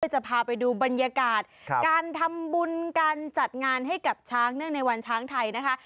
จะพาไปดูบรรยากาศการทำบุญการจัดงานให้กับช้างเนื่องในวันช้างไทยนะคะ